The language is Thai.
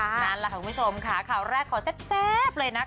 นั่นแหละค่ะคุณผู้ชมค่ะข่าวแรกขอแซ่บเลยนะคะ